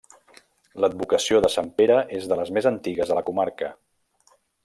L'advocació de Sant Pere és de les més antigues a la comarca.